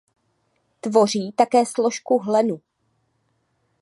Tvoří také složku hlenu.